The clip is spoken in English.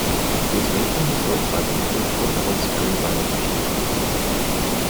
These rankings sort by the number of gold medals earned by a country.